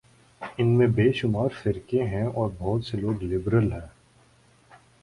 ان میں بے شمار فرقے ہیں اور بہت سے لوگ لبرل ہیں۔